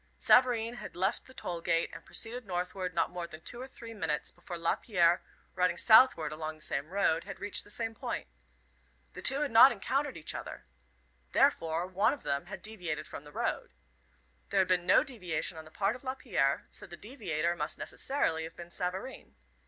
Savareen had left the toll gate and proceeded northward not more than two or three minutes before Lapierre, riding southward along the same road, had reached the same point. The two had not encountered each other. Therefore, one of them had deviated from the road. There had been no deviation on the part of Lapierre, so the deviator must necessarily have been Savareen.